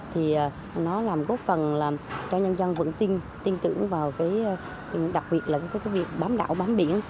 thì nó làm góp phần làm cho nhân dân vững tin tin tưởng vào cái đặc biệt là việc bám đảo bám biển